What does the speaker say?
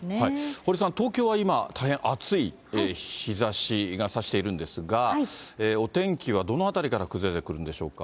堀さん、東京は今、大変あつい日ざしがさしているんですが、お天気はどのあたりから崩れてくるんでしょうか。